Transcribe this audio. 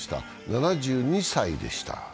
７２歳でした。